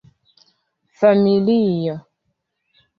familio